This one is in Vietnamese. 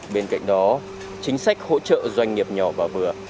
bên cạnh đó chính sách hỗ trợ doanh nghiệp nhỏ và vừa